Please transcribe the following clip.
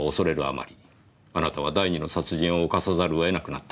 あまりあなたは第二の殺人を犯さざるを得なくなった。